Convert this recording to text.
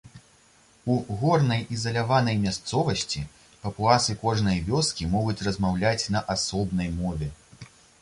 У горнай ізаляванай мясцовасці папуасы кожнай вёскі могуць размаўляць на асобнай мове.